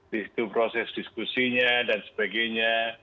di situ proses diskusinya dan sebagainya